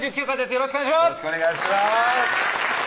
よろしくお願いします